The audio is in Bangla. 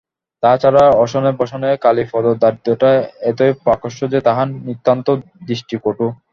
তা ছাড়া অশনে বসনে কালীপদর দারিদ্র্যটা এতই প্রকাশ্য যে তাহা নিতান্ত দৃষ্টিকটু।